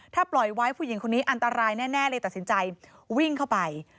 ถ้าปล่อยไว้ผู้หญิงคนนี้อันตรายแน่เลยตัดสินใจวิ่งเข้าไป